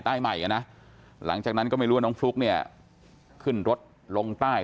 ใหม่อ่ะนะหลังจากนั้นก็ไม่รู้ว่าน้องฟลุ๊กเนี่ยขึ้นรถลงใต้